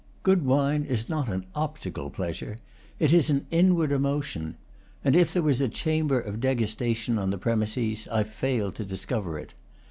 Good wine is not an optical pleasure, it is an inward emotion; and if there was a chamber of degustation on the premises, I failed to discover it.